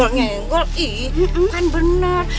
nyi kan bener